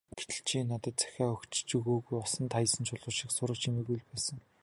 Гэтэл чи надад захиа ч өгөөгүй, усанд хаясан чулуу шиг сураг чимээгүй л байсан.